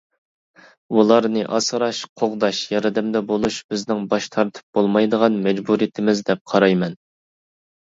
ئۇلارنى ئاسراش، قوغداش، ياردەمدە بولۇش بىزنىڭ باش تارتىپ بولمايدىغان مەجبۇرىيىتىمىز دەپ قارايمەن.